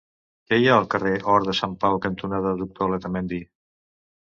Què hi ha al carrer Hort de Sant Pau cantonada Doctor Letamendi?